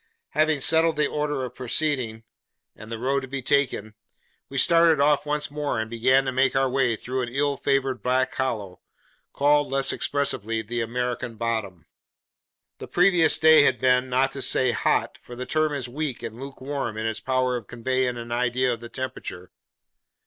Having settled the order of proceeding, and the road to be taken, we started off once more and began to make our way through an ill favoured Black Hollow, called, less expressively, the American Bottom. The previous day had been—not to say hot, for the term is weak and lukewarm in its power of conveying an idea of the temperature.